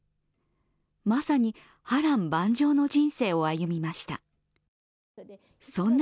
まさに、波乱万丈の人生を歩みました。